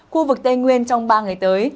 khu vực tây nguyên trong ba ngày tới